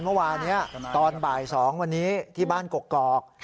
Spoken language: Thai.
เมื่อวานนี้ตอนบ่าย๒วันนี้ที่บ้านกกอก